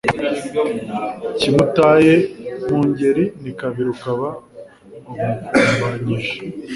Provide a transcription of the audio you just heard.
Kimutaye mu ngeri ni kabiri ukaba umukumbanyije,